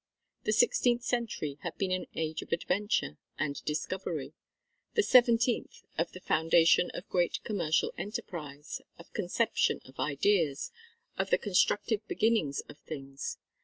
The sixteenth century had been an age of adventure and discovery; the seventeenth of the foundation of great commercial enterprise, of conception of ideas, of the constructive beginnings of things.